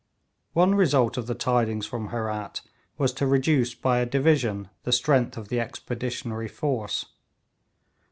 One result of the tidings from Herat was to reduce by a division the strength of the expeditionary force.